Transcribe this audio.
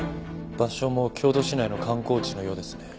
場所も京都市内の観光地のようですね。